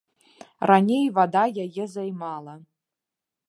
Раней вада яе займала.